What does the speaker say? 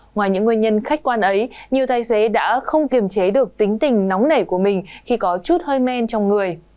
ngoài những nguyên nhân khách quan ấy nhiều tài xế đã không kiềm chế được tính tình nóng nảy của mình khi có chút hơi men trong người